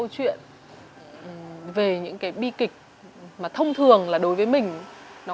thôi con ngủ với ba